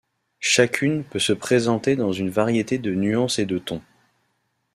Chacune peut se présenter dans une variété de nuances et de tons.